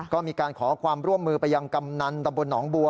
ก็มีการขอความร่วมมือไปยังกำนันตำบลหนองบัว